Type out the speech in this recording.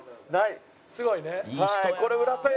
すごいね。